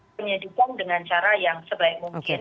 penyidikan dengan cara yang sebaik mungkin